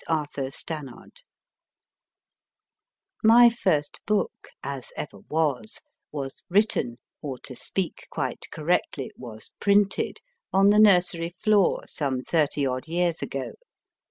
ARTHUR STANNARD) "\/r Y first book as ever was was written, or, to speak quite correctly, was printed, on the nursery floor some thirty odd years ago.